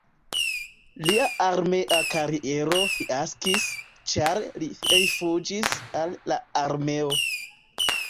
Lia armea kariero fiaskis, ĉar li rifuĝis el la armeo.